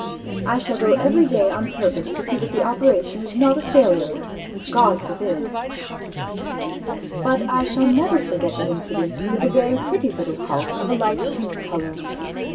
I shall go every day on purpose to see that the operation is not a failure. God forbid ! But I shall never forget an incident with a very pretty little house of a light pink colour.